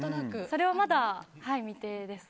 それはまだ未定です。